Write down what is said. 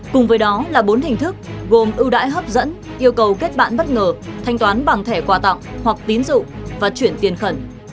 cùng với đó là bốn hình thức gồm ưu đãi hấp dẫn yêu cầu kết bạn bất ngờ thanh toán bằng thẻ quà tặng hoặc tín dụ và chuyển tiền khẩn